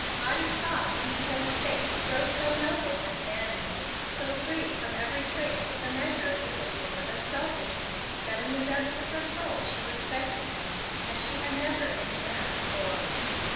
Lottie saw Hemstead's face grow so noble and manly, so free from every trace of the meanness of egotism and selfishness, that in the depths of her soul she respected him as she had never any man before.